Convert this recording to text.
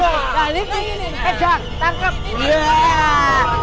hei jangan tangkep